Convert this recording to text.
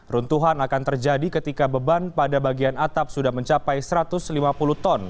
runtuhan akan terjadi ketika beban pada bagian atap sudah mencapai satu ratus lima puluh ton